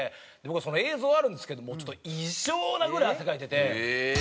その映像あるんですけどちょっと異常なぐらい汗かいてて。